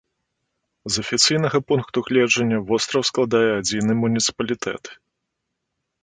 З афіцыйнага пункту гледжання востраў складае адзіны муніцыпалітэт.